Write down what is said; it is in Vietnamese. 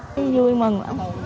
tôi vui mừng